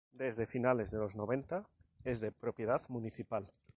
Desde finales de los noventa es de propiedad municipal.